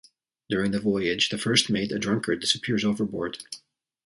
During the voyage, the first mate, a drunkard, disappears overboard.